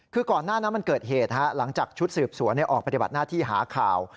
คือก่อนหน้านั้นมันเกิดเหตุหลังจากชุดสืบสวนออกปฏิบัติหน้าที่หาข่าว